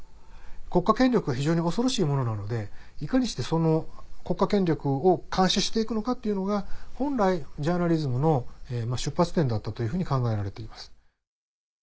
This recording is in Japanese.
国家権力は非常に恐ろしいものなのでいかにしてその国家権力を監視して行くのかというのが本来ジャーナリズムの出発点だったというふうに考えられています。